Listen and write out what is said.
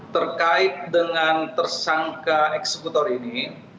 terkait dengan tersangka eksekutor ini